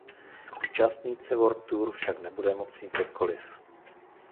Účastnit se World Tour však nebude moci kdokoliv.